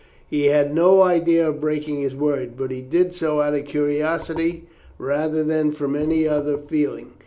He had no idea of breaking his word, but did so out of curiosity rather than from any other feeling.